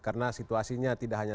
karena situasinya tidak hanya